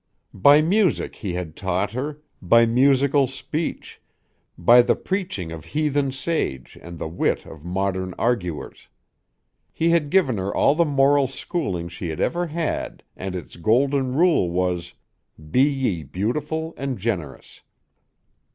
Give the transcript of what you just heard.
By music he had taught her, by musical speech, by the preaching of heathen sage and the wit of modern arguers. He had given her all the moral schooling she had ever had and its golden rule was, "Be ye beautiful and generous."